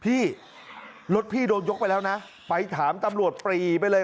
พี่รถพี่โดนยกไปแล้วนะไปถามตำรวจปรีไปเลย